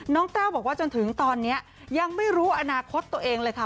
แต้วบอกว่าจนถึงตอนนี้ยังไม่รู้อนาคตตัวเองเลยค่ะ